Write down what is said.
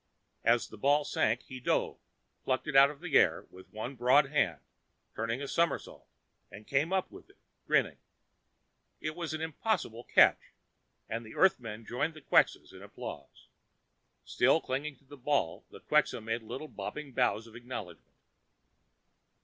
As the ball sank, he dove, plucked it out of the air with one broad hand, turned a somersault and came up with it, grinning. It was an impossible catch and the Earthmen joined the Quxas in applause. Still clinging to the ball, the Quxa made little bobbing bows of acknowledgment.